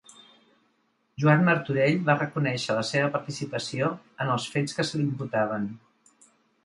Joan Martorell va reconèixer la seva participació en els fets que se li imputaven.